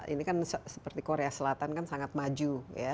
ini kan seperti korea selatan kan sangat maju ya